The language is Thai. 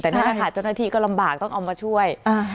แต่นี่แหละค่ะเจ้าหน้าที่ก็ลำบากต้องเอามาช่วย